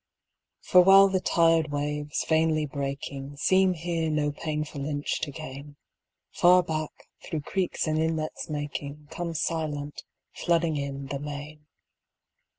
For while the tired waves, vainly breaking, Seem here no painful inch to gain, Far back, through creeks and inlets making, Comes silent, flooding in, the main.